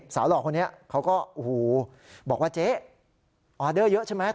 หล่อคนนี้เขาก็โอ้โหบอกว่าเจ๊ออเดอร์เยอะใช่ไหม